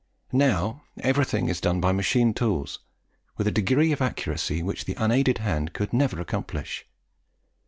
Now, everything is done by machine tools with a degree of accuracy which the unaided hand could never accomplish.